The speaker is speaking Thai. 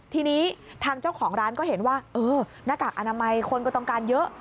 ทีนี้ทางเจ้าของร้านก็เห็นว่าเออหน้ากากอนามัยคนก็ต้องการเยอะ